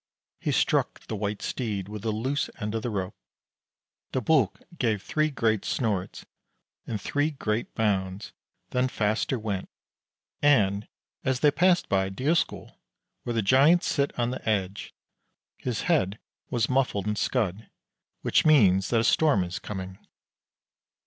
He struck the White Steed with the loose end of the rope. The Buk gave three great snorts and three great bounds, then faster went, and as they passed by Dyrskaur, where the Giant sits on the edge, his head was muffled in scud, which means that a storm is coming.